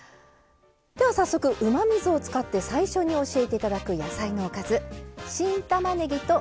では早速うまみ酢を使って最初に教えて頂く野菜のおかずはい。